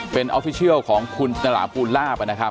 เป็นออฟฟิเชียลของคุณจราภูลลาบนะครับ